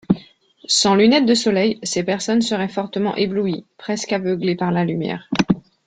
Sans lunettes de soleil, ces personnes seraient fortement éblouies, presque aveuglées par la lumière.